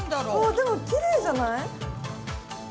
でもきれいじゃない？